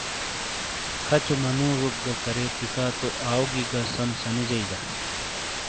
کھَچو مَنُوجوک گہ کرے تِیکا تو آؤگی گہ سَم سَنیجئی دا۔